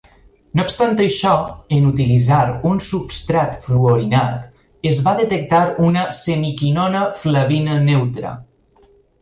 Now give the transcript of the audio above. No obstant això, en utilitzar un substrat fluorinat, es va detectar una semiquinona flavina neutra.